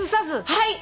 はい！